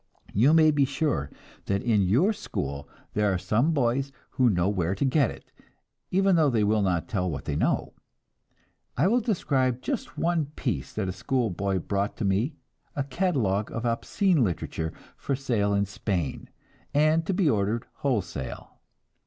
You may be sure that in your school there are some boys who know where to get it, even though they will not tell what they know. I will describe just one piece that a school boy brought to me, a catalogue of obscene literature, for sale in Spain, and to be ordered wholesale.